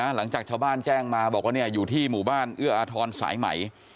หลังจากชาวบ้านแจ้งมาบอกว่าอยู่ที่หมู่บ้านเอื้ออาทรสายใหม่